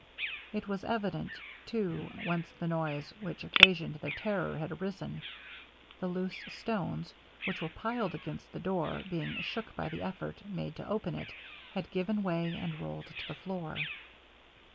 It was evident, too, whence the noise which occasioned their terror had arisen; the loose stones which were piled against the door being shook by the effort made to open it, had given way, and rolled to the floor.